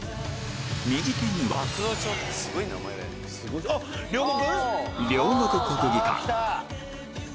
右手にはあっ両国？